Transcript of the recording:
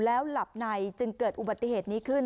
แล้วหลับในจึงเกิดอุบัติเหตุนี้ขึ้น